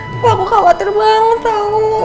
aku khawatir banget tau